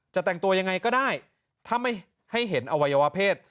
แต่งตัวยังไงก็ได้ถ้าไม่ให้เห็นอวัยวะเพศ